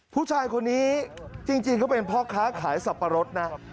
ผู้ชายคนนี้จริงเขาเป็นพ่อค้าขายสับปะรดนะ